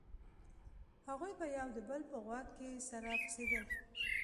هغوى به يو د بل په غوږ کښې سره پسېدل.